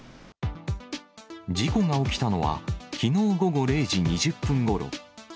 事故が起きたのは、きのう午後０時２０分ごろ。